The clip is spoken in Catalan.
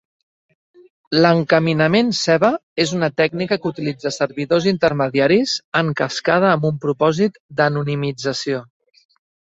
L'encaminament ceba és una tècnica que utilitza servidors intermediaris en cascada amb un propòsit d'anonimització.